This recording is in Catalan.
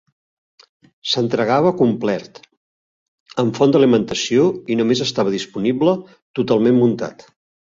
S'entregava complet amb font d'alimentació i només estava disponible totalment muntat.